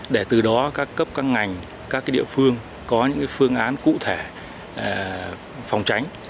để từ đó các cấp các ngành các địa phương có những phương án cụ thể phòng tránh